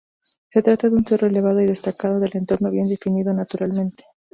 Se trata de un cerro elevado y destacado del entorno, bien defendido naturalmente.